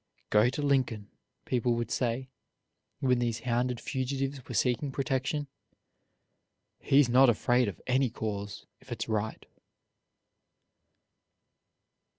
"Go to Lincoln," people would say, when these hounded fugitives were seeking protection; "he's not afraid of any cause, if it's right."